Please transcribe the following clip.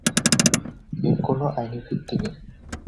এর কোনো আইনি ভিত্তি নেই।